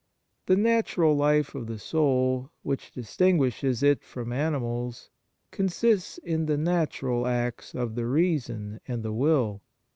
The natural life of the soul, which dis tinguishes it from animals, consists in the natural acts of the reason and the will.